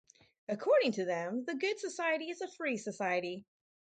According to them, the good society is a free society.